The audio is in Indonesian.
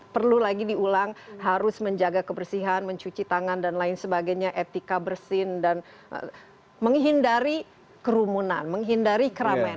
perlu lagi diulang harus menjaga kebersihan mencuci tangan dan lain sebagainya etika bersin dan menghindari kerumunan menghindari keramaian